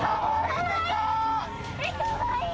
かわいい！